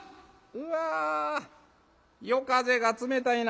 うわ夜風が冷たいな。